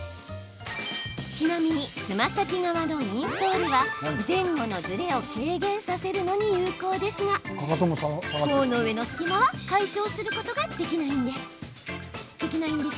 ちなみに、つま先側のインソールは前後のずれを軽減させるのに有効ですが甲の上の隙間は解消することができないんです。